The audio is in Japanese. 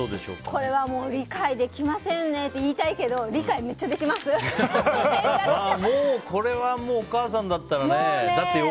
これは理解できませんねと言いたいですけどこれはもうお母さんだったらね。